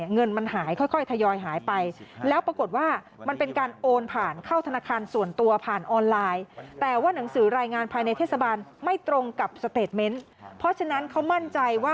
เงินมันหายค่อยทยอยหายไป